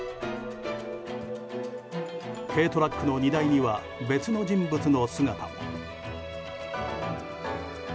軽トラックの荷台には別の人物の姿も。